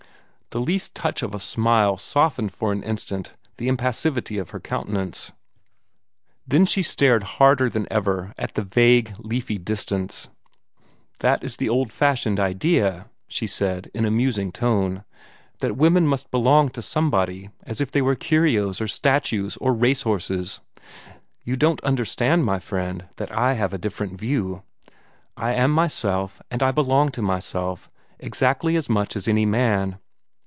The least touch of a smile softened for an instant the impassivity of her countenance. Then she stared harder than ever at the vague, leafy distance. "That is the old fashioned idea," she said, in a musing tone, "that women must belong to somebody, as if they were curios, or statues, or race horses. You don't understand, my friend, that I have a different view. I am myself, and I belong to myself, exactly as much as any man.